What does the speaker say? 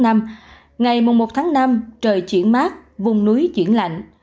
ngày một tháng năm trời chuyển mát vùng núi chuyển lạnh